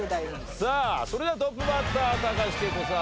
さあそれではトップバッター高橋惠子さん